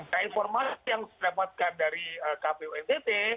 nah informasi yang didapatkan dari kpu ntt